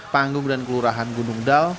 panggung dan kelurahan gunung dal